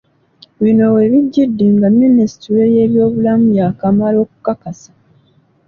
Bino we bijjidde nga Minisitule y’ebyobulamu yaakamala okukakasa